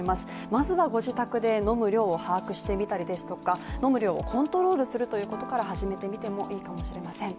まずは御自宅で飲む量を把握してみたりですとか飲む量をコントロールするというところから始めてみてもいいかもしれません。